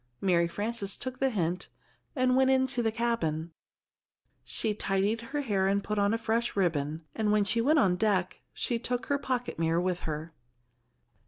Mary Frances took the hint, and went into the cabin. She tidied her hair, and put on a fresh ribbon, and when she went on deck, she took her pocket mirror with her.